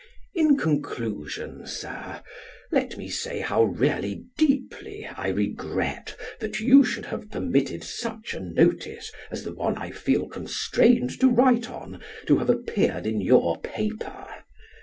In conclusion, Sir, let me say how really deeply I regret that you should have permitted such a notice, as the one I feel constrained to write on, to have appeared in your paper.